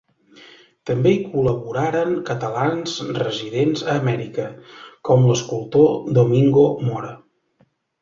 També hi col·laboraren catalans residents a Amèrica, com l'escultor Domingo Mora.